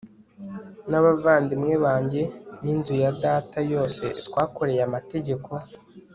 n'abavandimwe banjye n'inzu ya data yose twakoreye amategeko